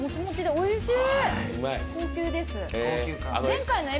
おいしい。